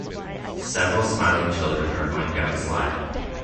Several smiling children are going down a slide.